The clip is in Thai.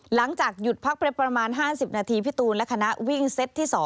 หลังจากหยุดพักไปประมาณ๕๐นาทีพี่ตูนและคณะวิ่งเซตที่๒